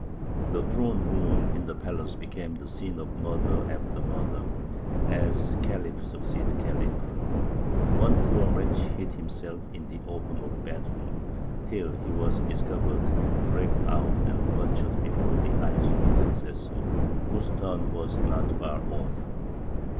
The throne room in the palace became the scene of murder after murder, as khalif succeeded khalif. One poor wretch hid himself in the oven of the bath room, till he was discovered, dragged out, and butchered before the eyes of his successor, whose turn was not far off.